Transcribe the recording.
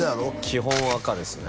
基本赤ですね